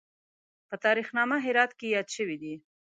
په تاریخ نامه هرات کې یاد شوی دی.